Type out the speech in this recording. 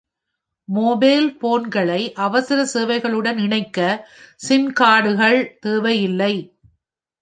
Mobile போன்களை அவசர சேவைகளுடன் இணைக்க சிம்கார்டுகள் தேவையில்லை.